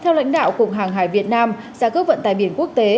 theo lãnh đạo cục hàng hải việt nam giá cước vận tải biển quốc tế